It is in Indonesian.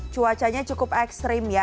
cuacanya cukup ekstrim ya